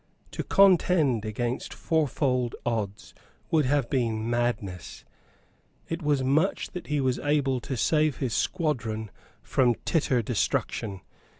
To contend against fourfold odds would have been madness. It was much that he was able to save his squadron from titter destruction.